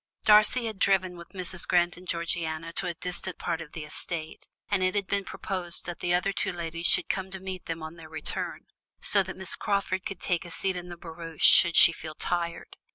Darcy had driven with Mrs. Grant and Georgiana to a distant part of the estate, and it had been proposed that the other two ladies should come to meet them on their return, so that Miss Crawford could take a seat in the barouche should she feel tired.